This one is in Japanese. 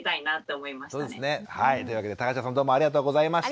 そうですね。というわけで田頭さんどうもありがとうございました。